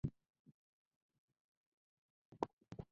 চুম্বন, আলিঙ্গনটা পর্যন্ত দোষাবহ নয়, অশ্লীল নয়।